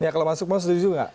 kalau masuk mas setuju tidak